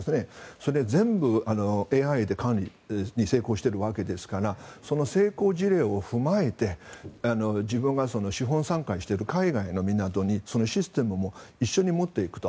それを全部ＡＩで管理に成功しているわけですからその成功事例を踏まえて自分が資本参加している海外の港にそのシステムも一緒に持っていくと。